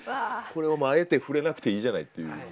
これをあえて触れなくていいじゃないという。